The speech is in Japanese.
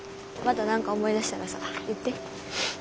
また何か思い出したらさ言って。